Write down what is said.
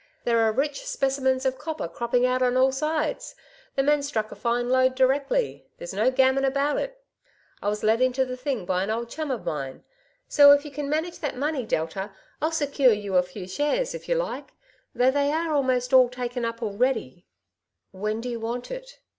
There are rich specimens of copper cropping oat on all sides. The men struck a fine 192 " Two Sides to every Question. » lodo directly ; there^s na gammon about it. I was let into the thing by an old chum of mine. So, if you can manage that money. Delta, I'll secure you a few shares, if you like, though they are almost all taken up already/' '' When do you want it